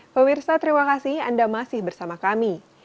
pemirsa terima kasih anda masih bersama kami